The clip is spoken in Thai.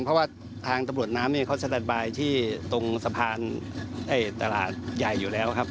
เพราะว่าทางตำรวจน้ำเนี่ยเขาสแตนบายที่ตรงสะพานตลาดใหญ่อยู่แล้วครับ